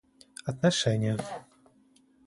отношения